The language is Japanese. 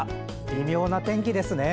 微妙な天気ですね。